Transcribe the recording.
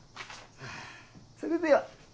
それでは。